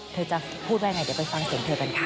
เธอจะพูดเป็ย์ให้จะไปฟังเสียงเธอกันค่ะ